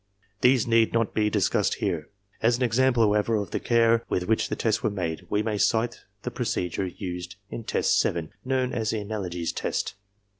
These need not be discussed here. As an example, however, of the care with which the tests were made, we may cite the procedure used in test seven, known as the analogies test.